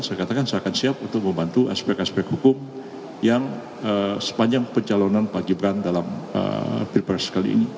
saya katakan saya akan siap untuk membantu aspek aspek hukum yang sepanjang pencalonan pak gibran dalam pilpres kali ini